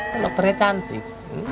kalau keren cantik